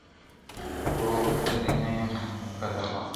o وږی نه يم، قدر غواړم٫